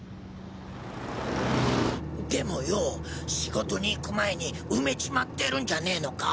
でもよぉ仕事に行く前に埋めちまってるんじゃねえのか？